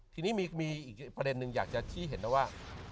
ทีนี้มีอีกประเด็นนึงอยากจะชี้เห็นนะว่า